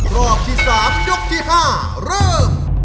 รอบที่สามยกที่ห้าเริ่ม